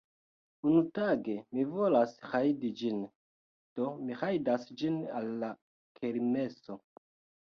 Unutage mi volas rajdi ĝin, Do mi rajdas ĝin al la kermeso